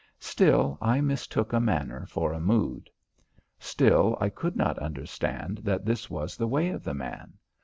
Still I mistook a manner for a mood. Still I could not understand that this was the way of the man.